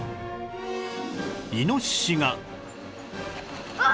イノシシがあっ！